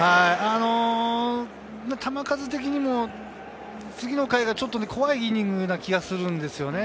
球数的にも次の回がちょっと怖いイニングな気がするんですよね。